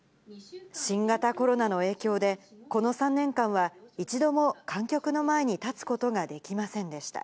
新型コロナの影響で、この３年間は、一度も観客の前に立つことができませんでした。